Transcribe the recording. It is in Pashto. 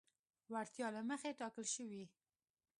وړتیا له مخې ټاکل شوي.